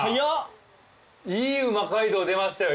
いい「うま街道！」出ましたよ